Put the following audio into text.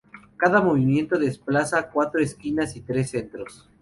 Cada movimiento desplaza cuatro esquinas y tres centros.